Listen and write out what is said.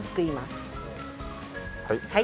はい。